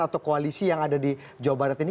atau koalisi yang ada di jawa barat ini